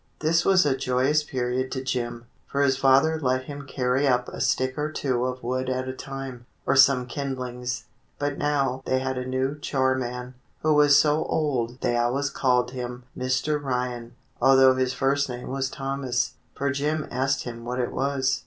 This was a joyous period to Jim, for his father let him carry up a stick or two of wood at a time, or some kindlings. But now they had a new chore man, who was so old they always called him "Mr. Ryan," although his first name was Thomas, for Jim asked him what it was.